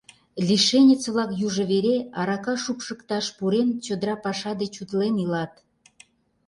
Лишенец-влак южо вере, арака шупшыкташ пурен, чодыра паша деч утлен илат.